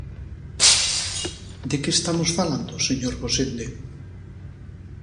¿De que estamos falando, señor Gosende?